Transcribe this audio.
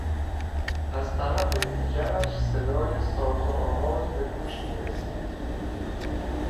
از طرف دیگرش صدای ساز و آواز به گوش می رسید.